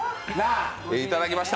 いただきました。